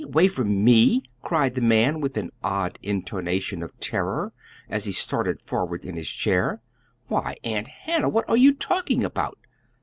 Away from me," cried the man, with an odd intonation of terror, as he started forward in his chair. "Why, Aunt Hannah, what are you talking about?"